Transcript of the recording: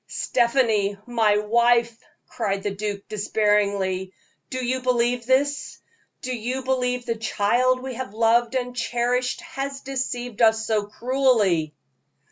"Stephanie, my wife," cried the duke, despairingly, "do you believe this? Do you believe the child we have loved and cherished has deceived us so cruelly?"